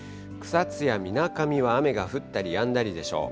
草津やみなかみは雨が降ったりやんだりでしょう。